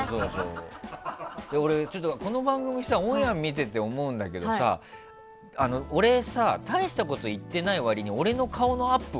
俺、この番組さオンエアを見てて思うんだけど俺、大したこと言ってない割に俺の顔のアップ